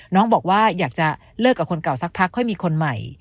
บอกว่าอยากจะเลิกกับคนเก่าสักพักค่อยมีคนใหม่